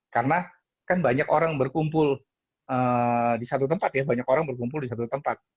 karena kan banyak orang berkumpul di satu tempat ya banyak orang berkumpul di satu tempat